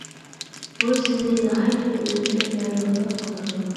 بۇ سىزنى ناھايىتى ئۈمىدلىك ۋە روھلۇق قىلىدۇ.